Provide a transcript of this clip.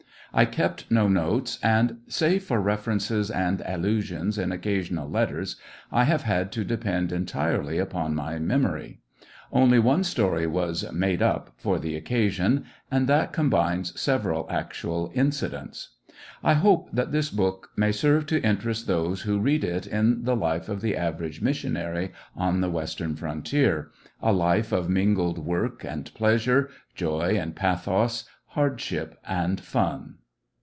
I kept no notes and, save for references and allusions in occasional let ters, I have had to depend entirely upon my mem ory. Only one story was " made up " for the occa sion, and that combines several actual incidents. I hope that this book may serve to interest those who read it in the life of the average missionary on the Western frontier — a life of mingled work and pleasure, joy and pathos, hardship and fun.